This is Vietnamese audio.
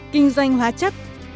kinh doanh hóa chất